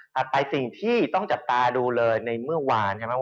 ถัดไปสิ่งที่ต้องจัดตาดูเลยในเมื่อวานจังมั้ยครับ